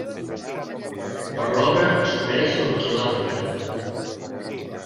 Per l'obra es coneix el qui l'ha feta.